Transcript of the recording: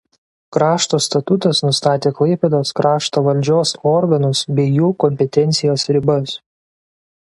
Krašto statutas nustatė Klaipėdos krašto valdžios organus bei jų kompetencijos ribas.